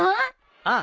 ああ。